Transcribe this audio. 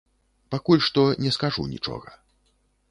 Пакуль што не скажу нічога.